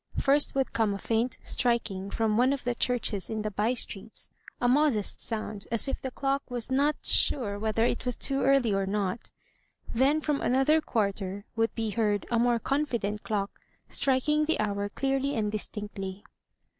First would come a faint striking from one of the churches in the by streets, a modest sound, as if the clock was not sure whether it was too early or not; then from another quarter would be heard a more confident clock striking the hour clearly and distinctly.